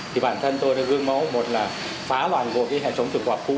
thì bản thân tôi đã gương mẫu một là phá hoàn gội cái hệ sống trường hợp cũ